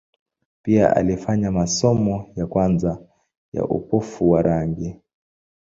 Pia alifanya masomo ya kwanza ya upofu wa rangi.